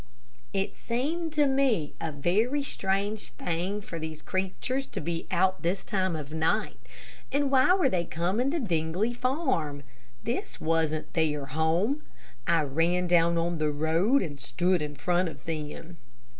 It seemed to me a very strange thing for these creatures to be out this time of night, and why were they coming to Dingley Farm? This wasn't their home. I ran down on the road and stood in front of them.